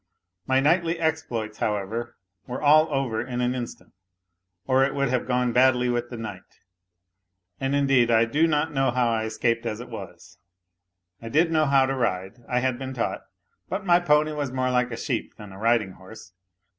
My knightly exploits, however, were all over in an instant or it would have gone badly with the knight. And, indeed, I do not know how I escaped as it was. I did know how to ride, I had been taught. But my pony was more like a. sheep than a riding horse.